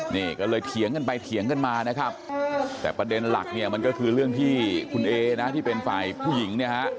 นี่ก็เลยเถียงกันไปเถียงกันมานะครับแต่ประเด็นหลักเนี่ยมันก็คือเรื่องที่คุณเอนะที่เป็นฝ่ายผู้หญิงเนี่ยฮะ